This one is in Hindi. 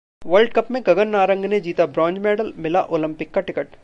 वर्ल्ड कप में गगन नारंग ने जीता ब्रॉन्ज मेडल, मिला ओलंपिक का टिकट